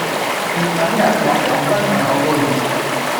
別等日落黃昏才後悔